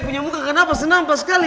punya muka kenapa senang pas kali